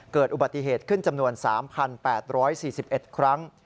เกิดอุบัติเหตุขึ้นจำนวน๓๘๔๑ครั้ง